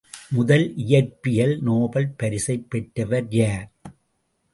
முதல் இயற்பியல் நோபல் பரிசைப் பெற்றவர் யார்?